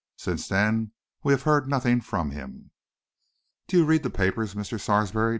Since then, we have heard nothing from him." "Do you read the papers, Mr. Sarsby?"